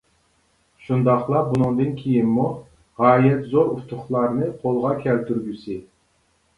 شۇنداقلا بۇنىڭدىن كېيىنمۇ غايەت زور ئۇتۇقلارنى قولغا كەلتۈرگۈسى.